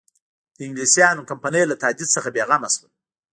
د انګلیسیانو کمپنۍ له تهدید څخه بېغمه شول.